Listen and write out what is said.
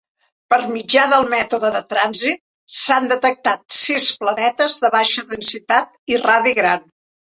Per mitjà del mètode de trànsit, s'han detectat sis planetes de baixa densitat i radi gran.